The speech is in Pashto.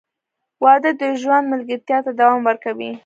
• واده د ژوند ملګرتیا ته دوام ورکوي.